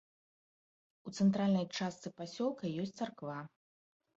У цэнтральнай частцы пасёлка ёсць царква.